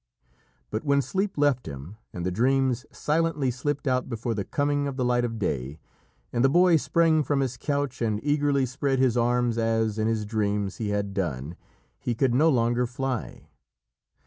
But when Sleep left him and the dreams silently slipped out before the coming of the light of day, and the boy sprang from his couch and eagerly spread his arms as, in his dreams, he had done, he could no longer fly.